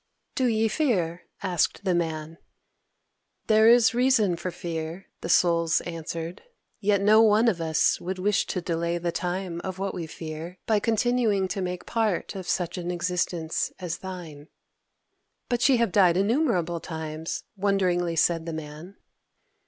"Do ye fear?" asked the Man. "There is reason for fear," the Souls answered. "Yet no one of us would wish to delay the time of what we fear by continuing to make part of such an existence as thine." "But ye have died innumerable times?" wonderingly said the Man.